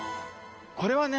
これはね